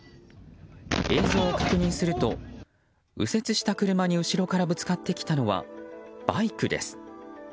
映像を確認すると、右折した車に後ろからぶつかってきたのはバイクです。